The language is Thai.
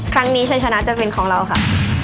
ครั้งนี้ฉันชนะจะเป็นของเราค่ะ